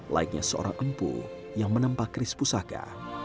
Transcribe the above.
laiknya seorang empu yang menampak kris pusaka